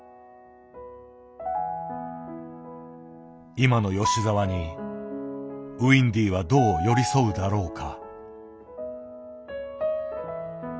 今の吉澤にウインディはどう寄り添うだろうか。